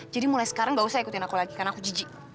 jadi mulai sekarang gak usah ikutin aku lagi karena aku jijik